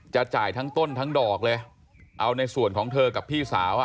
จ่ายทั้งต้นทั้งดอกเลยเอาในส่วนของเธอกับพี่สาวอ่ะ